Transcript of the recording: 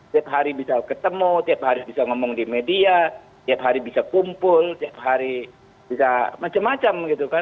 tiap hari bisa ketemu tiap hari bisa ngomong di media tiap hari bisa kumpul tiap hari bisa macam macam gitu kan